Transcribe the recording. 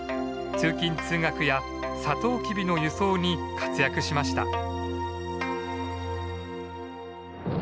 通勤通学やサトウキビの輸送に活躍しました。